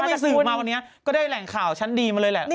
ไปสืบมาวันนี้ก็ได้แหล่งข่าวชั้นดีมาเลยแหละ